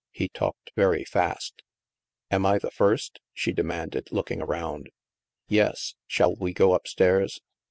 He talked very fast. Am I the first ?" she demanded, looking around. " Yes. Shall we go up stairs